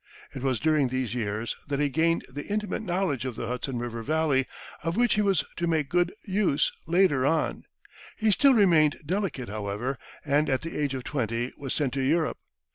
It was during these years that he gained that intimate knowledge of the Hudson River Valley of which he was to make such good use later on. He still remained delicate, however, and at the age of twenty was sent to Europe.